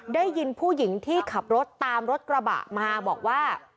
ได้ยินผู้หญิงที่ขับรถตามรถกระบะมาบอกว่า